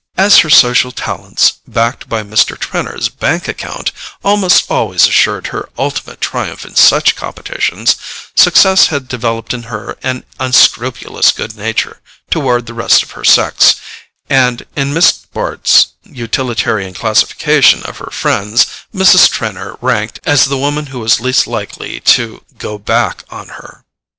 As her social talents, backed by Mr. Trenor's bank account, almost always assured her ultimate triumph in such competitions, success had developed in her an unscrupulous good nature toward the rest of her sex, and in Miss Bart's utilitarian classification of her friends, Mrs. Trenor ranked as the woman who was least likely to "go back" on her.